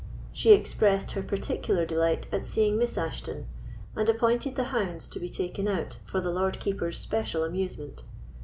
She expressed her particular delight at seeing Miss Ashton, and appointed the hounds to be taken out for the Lord Keeper's special amusement.